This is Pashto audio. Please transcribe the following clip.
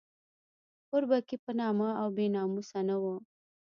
اربکی بې نامه او بې ناموسه نه وو.